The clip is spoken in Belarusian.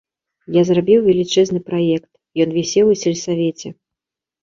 Я зрабіў велічэзны праект, ён вісеў у сельсавеце.